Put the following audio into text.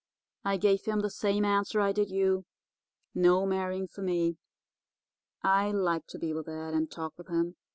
I gave him the same answer I did you—no marrying for me. I liked to be with Ed and talk with him.